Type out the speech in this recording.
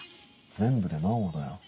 全部で何話だよ。